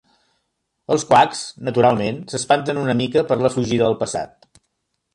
Els Qax, naturalment, s'espanten una mica per la fugida al passat.